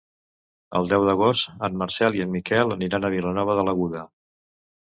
El deu d'agost en Marcel i en Miquel aniran a Vilanova de l'Aguda.